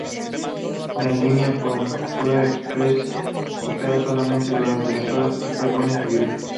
La línea Púrpura Expresa opera solamente durante las horas pico de lunes a viernes.